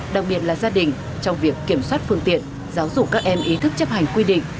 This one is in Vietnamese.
đặc biệt là gia đình trong việc kiểm soát phương tiện giáo dục các em ý thức chấp hành quy định